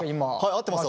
合ってます！